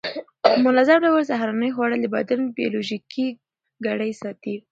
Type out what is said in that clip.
په منظم ډول سهارنۍ خوړل د بدن بیولوژیکي ګړۍ ساتي.